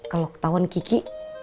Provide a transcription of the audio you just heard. kalo ketauan kiki